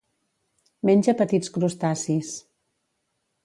Menja petits crustacis.